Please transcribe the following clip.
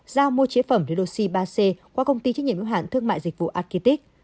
giao mua chế phẩm redoxy ba c qua công ty trách nhiệm ưu hạn thương mại dịch vụ architect